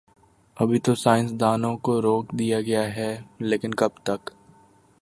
ابھی تو سائنس دانوں کو روک دیا گیا ہے، لیکن کب تک؟